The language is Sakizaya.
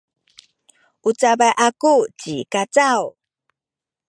u cabay aku ci Kacaw.